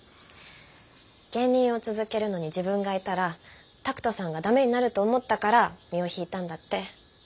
芸人を続けるのに自分がいたら拓門さんがダメになると思ったから身を引いたんだって。